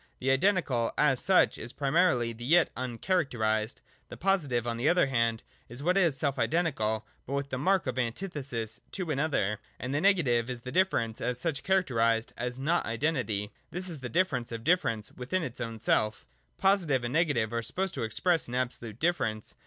The identical as such is primarily the yet uncharacterised : the positive on the other hand is what is self identical, but with the mark of antithesis to an other. And the negative is difference as such, characterised as not identity. This is the difference of difference within its own self Positive and negative are supposed to express an absolute difference.